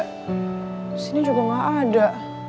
disini juga gak ada